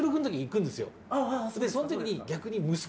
でそん時に逆に。